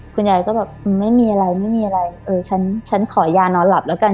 คุณยายก็แบบไม่มีอะไรไม่มีอะไรเออฉันฉันขอยานอนหลับแล้วกัน